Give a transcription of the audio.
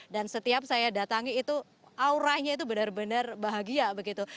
dan setiap saya datangi itu auranya itu benar benar bahagia begitu